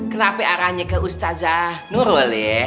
kenapa arahnya ke ustadz zanurul ye